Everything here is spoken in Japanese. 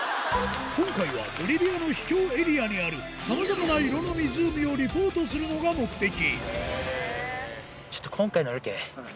今回はボリビアの秘境エリアにあるさまざまな色の湖をリポートするのが目的